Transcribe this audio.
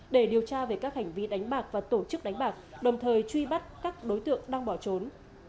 để điều tra về các hành vi đánh bạc và tổ chức đánh bạc đồng thời truy bắt các đối tượng đang bỏ trốn